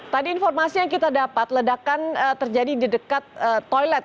tadi informasi yang kita dapat ledakan terjadi di dekat toilet